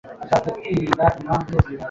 byurubura ruteye ishozi muri Himalaya